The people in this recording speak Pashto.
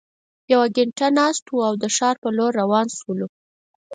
یوه ګینټه ناست وو او ښار په لور روان شولو.